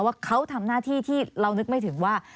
ว่าเขาทำหน้าที่ที่เรานึกไม่ถึงว่า